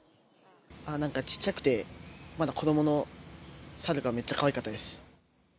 なんかちっちゃくて、まだ子どもの猿がめっちゃかわいかったです。